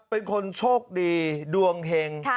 เป็นคนโชคดีดวงเห็ง